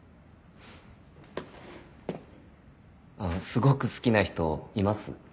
すごく好きな人います？